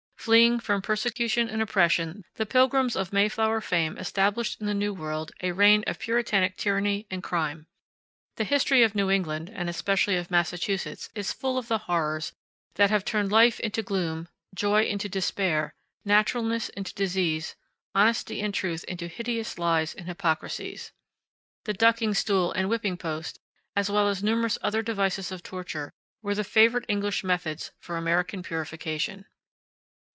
Fleeing from persecution and oppression, the Pilgrims of Mayflower fame established in the New World a reign of Puritanic tyranny and crime. The history of New England, and especially of Massachusetts, is full of the horrors that have turned life into gloom, joy into despair, naturalness into disease, honesty and truth into hideous lies and hypocrisies. The ducking stool and whipping post, as well as numerous other devices of torture, were the favorite English methods for American purification.